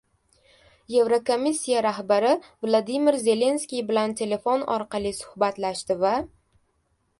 Evrokomissiya rahbari Vladimir Zelenskiy bilan telefon orqali suhbatlashdi va...